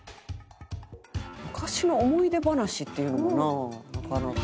昔の思い出話っていうのもななかなか。